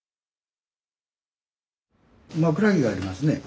枕木がありますね。